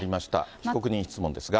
被告人質問ですが。